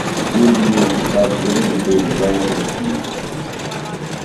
Дедо имаше стар кревет на кој обожаваше да спие.